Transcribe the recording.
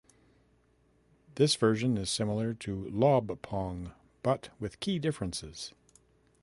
This version is similar to "lob pong" but with key differences.